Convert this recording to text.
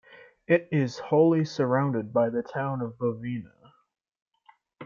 It is wholly surrounded by the Town of Bovina.